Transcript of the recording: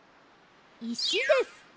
いしです。